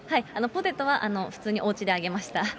ポテトは普通におうちで揚げました。